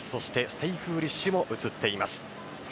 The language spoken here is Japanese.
ステイフーリッシュも映っています。